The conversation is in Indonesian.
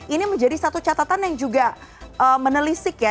ini menjadi satu catatan yang juga menelisik ya